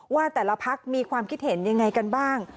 ว่าแต่ละพักมีความคิดเห็นยังไงกันบ้าง